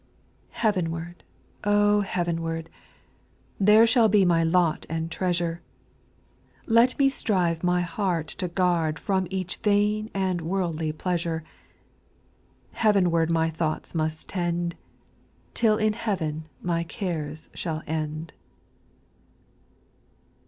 4. Heavenward I oh, heavenward I There shall be my lot and treasure — Let me strive my heart to guard From each vain and worldly pleasure : Heavenward my thoughts must tend, Till in heaven my cares shall end.